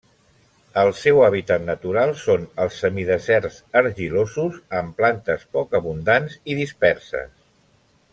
El seu hàbitat natural són els semideserts argilosos amb plantes poc abundants i disperses.